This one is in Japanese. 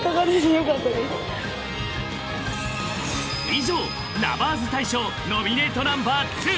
［以上Ｌｏｖｅｒｓ大賞ノミネートＮｏ．２